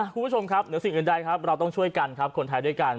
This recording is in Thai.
คุณผู้ชมครับเหนือสิ่งอื่นใดครับเราต้องช่วยกันครับคนไทยด้วยกัน